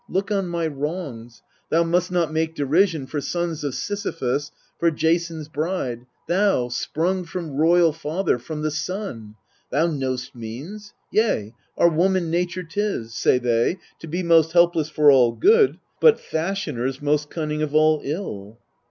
Look on my wrongs : thou must not make derision For sons of Sisyphus, for Jason's bride Thou, sprung from royal father, from the Sun ! Thou know'st means. Yea, our woman nature 'tis Say they to be most helpless for all good, But fashioners most cunning of all ill.